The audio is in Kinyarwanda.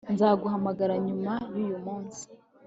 Nzaguhamagara nyuma yuyu munsi